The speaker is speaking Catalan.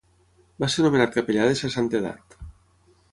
Va ser nomenat capellà de Sa Santedat.